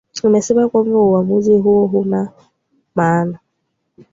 imesema kwamba uamuzi huo hauna maana